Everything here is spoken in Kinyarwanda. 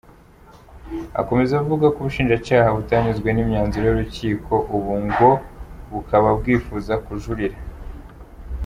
Akomeza avuga ko ubushinjacyaha butanyuzwe n’imyanzuro y’urukiko, ubu ngo bukaba bwifuza kujurira.